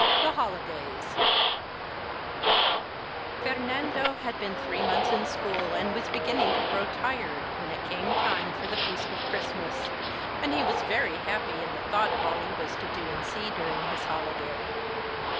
THE HOLIDAYS Fernando had been three months in school and was beginning to grow tired, when it came time for the feast of Christmas, and he was very happy in the thought of all he was to do and see during his holiday.